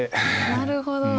なるほど。